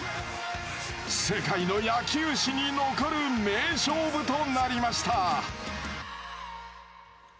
世界の野球史に残る名勝負となりました。